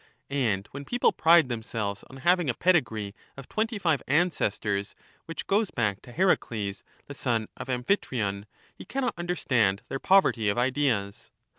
And when people pride themselves on having a pedigree of twenty five ancestors, which goes back to Heracles, the son of Amphitryon, he cannot understand their poverty of ideas.